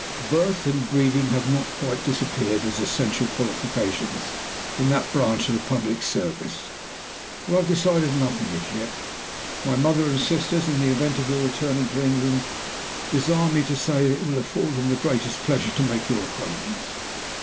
Birth and breeding have not quite disappeared as essential qualifications in that branch of the public service. But I have decided nothing as yet. "My mother and sisters, in the event of your returning to England, desire me to say that it will afford them the greatest pleasure to make your acquaintance.